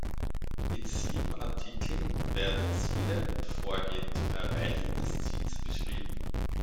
In sieben Artikeln werde Ziele und Vorgehen zum Erreichen des Ziels beschrieben.